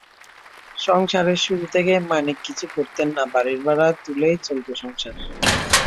সংসারের শুরু থেকেই মানিক কিছু করতেন না, বাড়ির ভাড়া তুলেই চলতো সংসার।